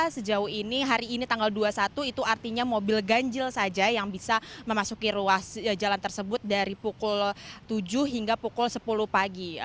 sejauh ini hari ini tanggal dua puluh satu itu artinya mobil ganjil saja yang bisa memasuki ruas jalan tersebut dari pukul tujuh hingga pukul sepuluh pagi